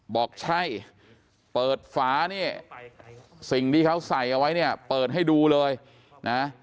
บอกใช่เปิดฝานี่สิ่งที่เขาใส่เอาไว้เนี่ยเปิดให้ดูเลยนะ